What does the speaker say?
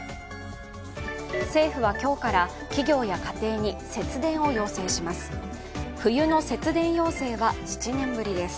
政府は今日から企業や家庭に節電を要請します。